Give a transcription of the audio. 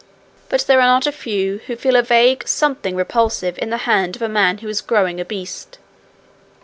But there are not a few who feel a vague something repulsive in the hand of a man who is growing a beast.